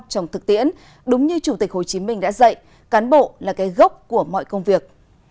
trong thực tiễn đúng như chủ tịch hồ chí minh đã dạy cán bộ là cái gốc của mọi công việc